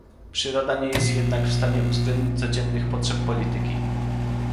Przyroda nie jest jednak w stanie uwzględnić codziennych potrzeb polityki